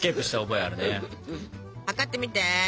量ってみて。